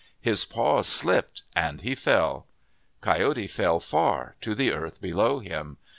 His paws slipped and he fell. Coyote fell far to the earth below him.